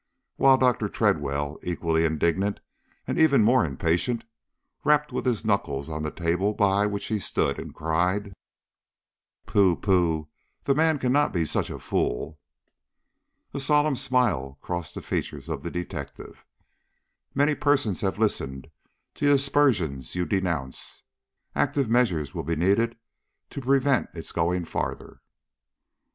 While Dr. Tredwell, equally indignant and even more impatient, rapped with his knuckles on the table by which he stood, and cried: "Pooh, pooh, the man cannot be such a fool!" A solemn smile crossed the features of the detective. "Many persons have listened to the aspersion you denounce. Active measures will be needed to prevent its going farther."